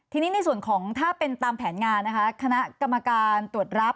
ทีนี้ในส่วนของถ้าเป็นตามแผนงานนะคะคณะกรรมการตรวจรับ